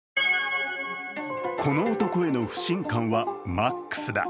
この男への不信感はマックスだ。